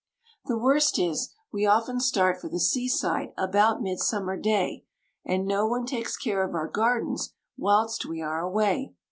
The worst is, we often start for the seaside about Midsummer Day, And no one takes care of our gardens whilst we are away.